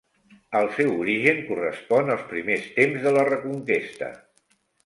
El seu origen correspon als primers temps de la reconquesta.